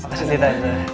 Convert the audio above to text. terima kasih tita